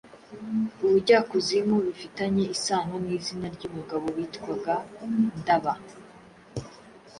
ubujyakuzimu rufitanye isano n’izina ry’umugabo witwaga Ndaba.